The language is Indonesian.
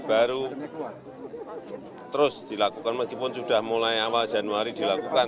baru terus dilakukan meskipun sudah mulai awal januari dilakukan